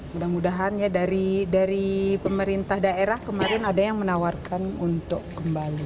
mudah mudahan ya dari pemerintah daerah kemarin ada yang menawarkan untuk kembali